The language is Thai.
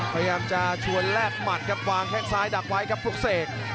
พยายามจะชวนแลกหมัดครับวางแข้งซ้ายดักไว้ครับลูกเสก